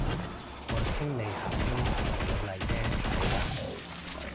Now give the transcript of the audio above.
我清理下灰同老泥啫，冇喇。